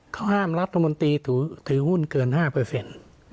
เขาห้ามรัฐมนตรีถือหุ้นเกิน๕